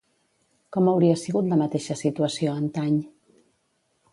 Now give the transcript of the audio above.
Com hauria sigut la mateixa situació antany?